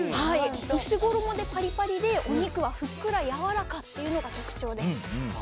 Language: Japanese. うす衣でパリパリでお肉はふっくらやわらかなのが特徴です。